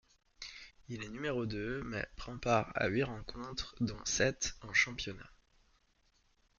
Il est numéro deux mais prend part à huit rencontres dont sept en championnat.